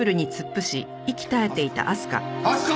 明日香？